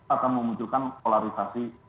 akan memunculkan polarisasi